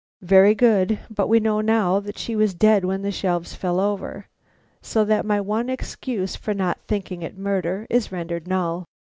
(Very good, but we know now that she was dead when the shelves fell over, so that my one excuse for not thinking it a murder is rendered null.)